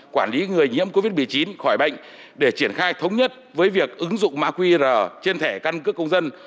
quản lý người nhiễm covid một mươi chín khỏi bệnh để triển khai thống nhất với việc ứng dụng mã qr trên thẻ căn cước công dân